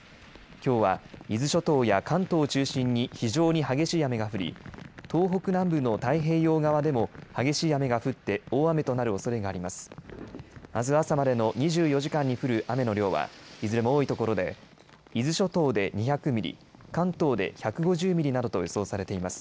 きょうは伊豆諸島や関東を中心に非常に激しい雨が降り、東北南部の太平洋側でも激しい雨が降って大雨となるおそれがあります。